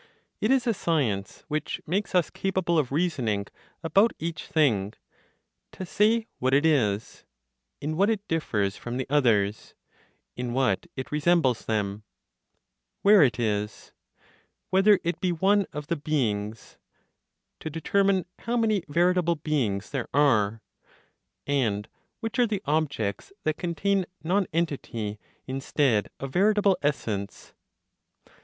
It is a science which makes us capable of reasoning about each thing, to say what it is, in what it differs from the others, in what it resembles them, where it is, whether it be one of the beings, to determine how many veritable beings there are, and which are the objects that contain nonentity instead of veritable essence.